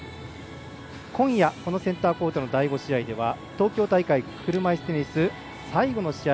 今夜、このセンターコートの第５試合では東京大会車いすテニス最後の試合